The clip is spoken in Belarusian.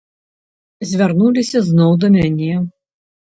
Звярнуліся зноў да мяне.